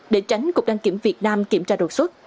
để tránh cục đăng kiểm việt nam kiểm tra đột xuất